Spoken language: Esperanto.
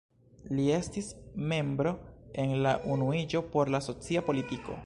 Li estis membro en la „Unuiĝo por la socia politiko”.